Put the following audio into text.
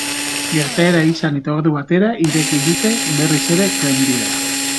Gertaera izan eta ordu batera ireki dute berriz ere trenbidea.